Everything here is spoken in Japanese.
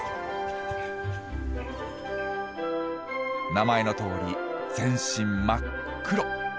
名前のとおり全身真っ黒。